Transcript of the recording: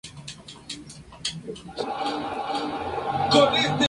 Licenciada en Administración de Empresas y Master en administración de Empresas.